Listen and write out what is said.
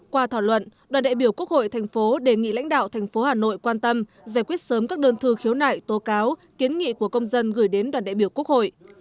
qua thảo luận đoàn đại biểu quốc hội tp đề nghị lãnh đạo tp hà nội quan tâm giải quyết sớm các đơn thư khiếu nải tố cáo kiến nghị của công dân gửi đến đoàn đại biểu quốc hội